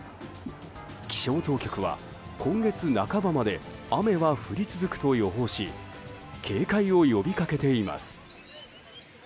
気象当局は今月半ばまで雨は降り続くと予報し警戒を呼びかけています。